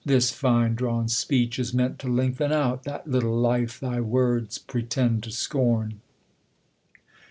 This fine drawn speech is meant to lengthen out That little life thy words pretend to scorn.